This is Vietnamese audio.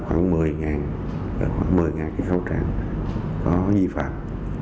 khoảng một mươi cái khẩu trang có vi phạm